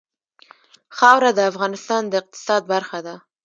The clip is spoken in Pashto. خاوره د افغانستان د اقتصاد برخه ده.